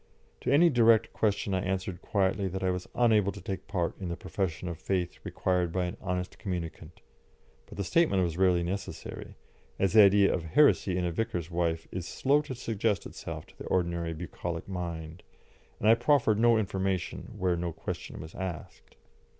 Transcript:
To any direct question I answered quietly that I was unable to take part in the profession of faith required by an honest communicant, but the statement was rarely necessary, as the idea of heresy in a vicar's wife is slow to suggest itself to the ordinary bucolic mind, and I proffered no information where no question was asked.